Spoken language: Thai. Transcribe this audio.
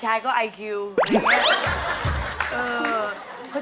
โฮลาเลโฮลาเลโฮลาเล